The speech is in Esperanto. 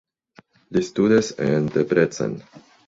Li studis en Debrecen.